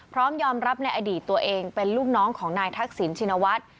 พร้อมยอมรับในอดีตตัวเองเป็นลูกน้องของนายทักษิณชินวัฒน์